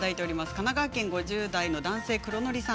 神奈川県５０代の男性の方。